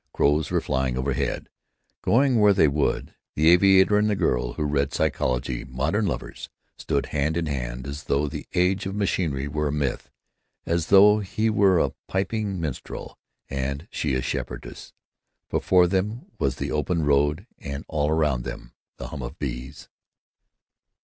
Crows were flying overhead, going where they would. The aviator and the girl who read psychology, modern lovers, stood hand in hand, as though the age of machinery were a myth; as though he were a piping minstrel and she a shepherdess. Before them was the open road and all around them the hum of bees.